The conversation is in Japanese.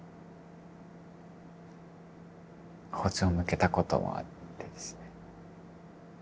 包丁向けたこともあってですね。